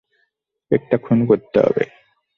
একটা খুন করতে হবে।